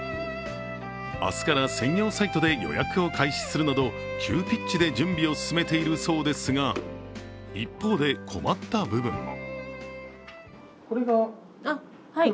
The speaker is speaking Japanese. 明日から専用サイトで予約を開始するなど急ピッチで準備を進めているそうですが、一方で、困った部分も。